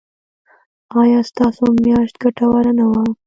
ایا ستاسو میاشت ګټوره نه وه؟